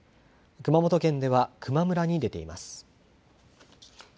熊本県では球磨村に出ています。